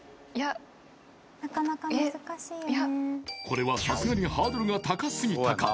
これはさすがにハードルが高すぎたか？